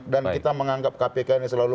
dan kita menganggap kpk ini selalu